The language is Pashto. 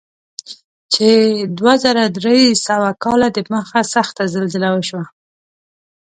چې دوه زره درې سوه کاله دمخه سخته زلزله وشوه.